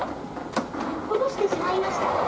こぼしてしまいました。